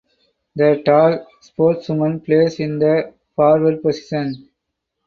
The tall sportswoman plays in the forward position.